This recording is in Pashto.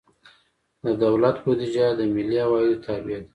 د دولت بودیجه د ملي عوایدو تابع ده.